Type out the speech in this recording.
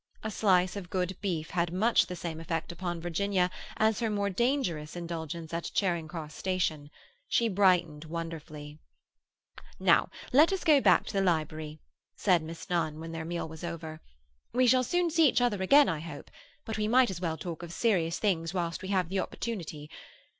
A slice of good beef had much the same effect upon Virginia as her more dangerous indulgence at Charing Cross Station. She brightened wonderfully. "Now let us go back to the library," said Miss Nunn, when their meal was over. "We shall soon see each other again, I hope, but we might as well talk of serious things whilst we have the opportunity.